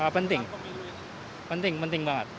penting penting penting banget